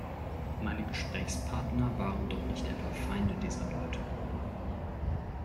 Meine Gesprächspartner waren doch nicht etwa Feinde dieser Leute.